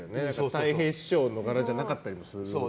たい平師匠のがらじゃなかったりもするし。